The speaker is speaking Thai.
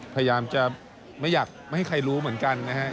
พยายามจะไม่อยากไม่ให้ใครรู้เหมือนกันนะฮะ